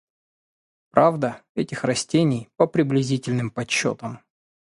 Правда, этих растений, по приблизительным подсчетам